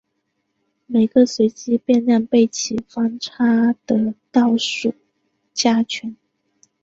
每个随机变量被其方差的倒数加权。